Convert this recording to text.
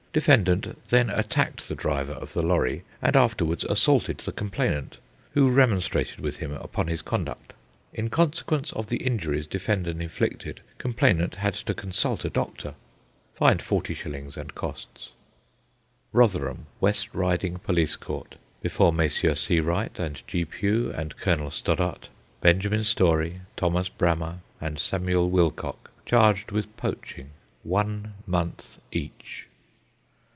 Defendant then attacked the driver of the lorry, and afterwards assaulted the complainant, who remonstrated with him upon his conduct. In consequence of the injuries defendant inflicted, complainant had to consult a doctor. Fined 40s. and costs. Rotherham West Riding Police Court. Before Messrs. C. Wright and G. Pugh and Colonel Stoddart. Benjamin Storey, Thomas Brammer, and Samuel Wilcock, charged with poaching. One month each.